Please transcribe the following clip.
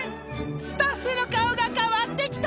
スタッフの顔が変わってきたぞ！］